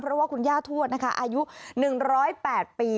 เพราะว่าคุณย่าทวดนะคะอายุ๑๐๘ปี